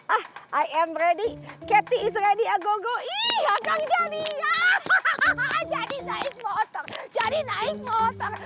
ah i am ready cathy is ready a gogo ih agak jadi hahaha jadi naik motor jadi naik motor